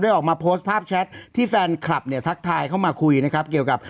ออกมาโพสต์ภาพแชทที่แฟนคลับเนี่ยทักทายเข้ามาคุยนะครับเกี่ยวกับ